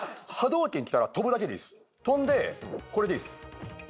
跳んでこれでいいです。